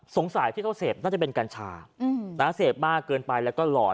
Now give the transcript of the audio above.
สงสัยที่เขาเสียบน่าจะเป็นการชาเสียบบ้าเกินไปแล้วก็หล่อน